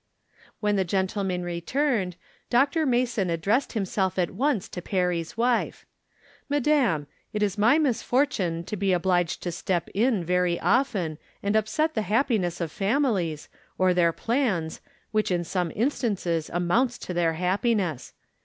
When the gentlemen returned Dr. Mason ad dressed himself at once to Perry's wife :" Madam, it is my misfortune to be obliged to step in, very often, and upset the happiness of families, or their plans, which in some instances amounts to their happiness.